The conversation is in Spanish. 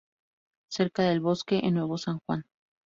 Cerca del bosque en Nuevo San Juan.